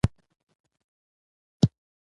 او پلانونو د شريکولو له لړۍ څخه دا ځل